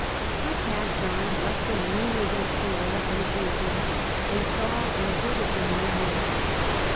I passed on, left him leaning against the wall fin ishing his laugh, and saw or heai'd of him no more.